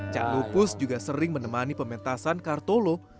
cak lupus juga sering menemani pementasan kartolo